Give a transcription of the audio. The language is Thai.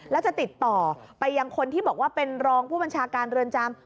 แล้วจะติดต่อไปยังคนที่บอกว่าเป็นรองผู้บัญชาการเรือนจำ